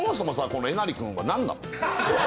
このえなり君は何なの？